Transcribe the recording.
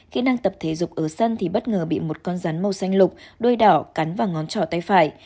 khi đang tập thể dục ở sân thì bất ngờ bị một con rắn màu xanh lục đôi đỏ cắn vào ngón trỏ tay phải